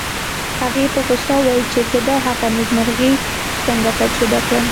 هغې په غوسه وویل چې زه به هغه نېکمرغي څنګه تجربه کړم